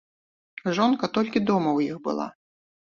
Жонка толькі дома ў іх была.